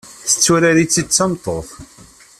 Tetturar-itt-id d tameṭṭut.